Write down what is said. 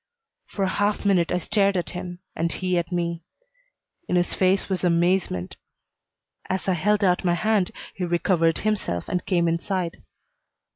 For a half minute I stared at him and he at me. In his face was amazement. As I held out my hand he recovered himself and came inside.